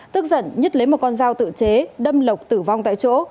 tức giận nhất lấy một con dao tự chế đâm lộc tử vong tại chỗ